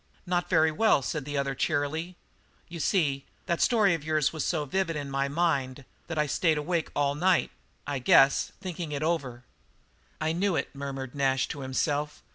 "Not very well," said the other cheerily. "You see, that story of yours was so vivid in my mind that I stayed awake about all night, I guess, thinking it over." "I knew it," murmured Nash to himself.